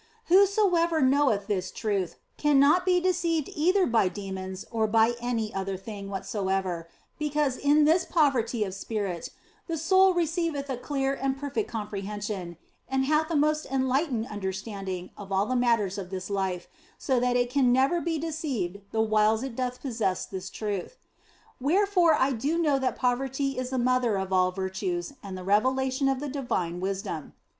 Whoso ever knoweth this truth cannot be deceived either by demons or by any other thing whatsoever, because in this poverty of spirit the soul receiveth a clear and perfect comprehension and hath a most enlightened understand ing of all the matters of this life, so that it can never be 36 THE BLESSED ANGELA deceived the whiles it doth possess this truth. Wherefore do I know that poverty is the mother of all virtues and the revelation of the divine wisdom.